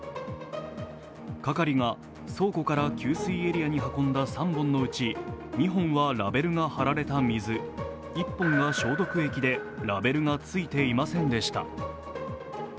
係が、倉庫から給水エリアに運んだ３本のうち、２本はラベルが貼られた水、１本が消毒液でラベルがついていませんでした。